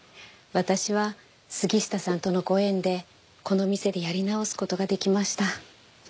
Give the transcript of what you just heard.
私は杉下さんとのご縁でこの店でやり直す事が出来ました。